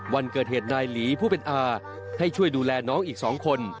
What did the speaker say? วันเกิดเหตุนายหลีผู้เป็นอาให้ช่วยดูแลน้องอีก๒คน